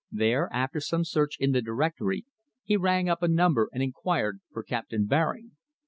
There, after some search in the directory, he rang up a number and enquired for Captain Baring.